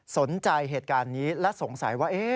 สนใจเหตุการณ์นี้และสงสัยว่า